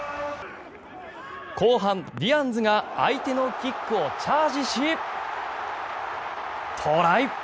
後半、ディアンズが相手のキックをチャージしトライ！